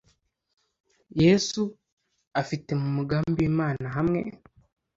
Yesu afite mu mugambi w Imana hamwe